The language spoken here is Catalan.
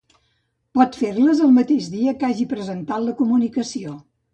Pot fer-les el mateix dia que hagi presentat la comunicació.